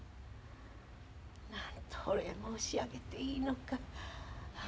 何とお礼申し上げていいのか。